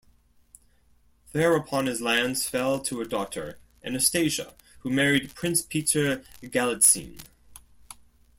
Thereupon his lands fell to a daughter, Anastasia, who married Prince Peter Galitzine.